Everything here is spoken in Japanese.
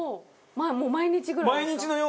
もう毎日ぐらいですか？